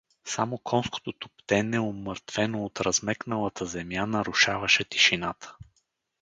Само конското туптене, умъртвено от размекналата земя, нарушаваше тишината.